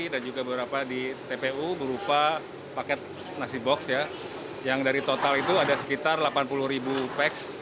dan juga beberapa di tpu berupa paket nasi boks ya yang dari total itu ada sekitar delapan puluh ribu peks